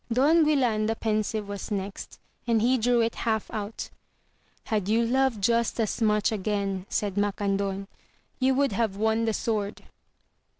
Don Guilan the Pensive was the next, and he drew it half out; Had you loved just as much again, said Macandon, you would have won the sword.